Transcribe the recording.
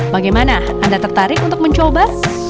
bagaimana anda tertarik untuk mencoba